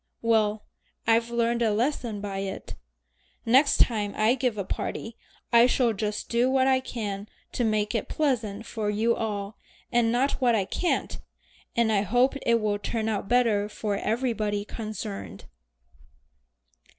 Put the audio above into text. Well I've learned a lesson by it. Next time I give a party I shall just do what I can to make it pleasant for you all, and not what I can't, and I hope it will turn out better for everybody concerned."